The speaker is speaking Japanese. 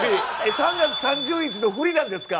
３月３０日のフリなんですか？